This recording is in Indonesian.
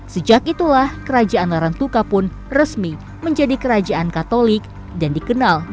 sejak itulah kerajaan larang tuka pun resmi menjadi kerajaan katolik dan dikenal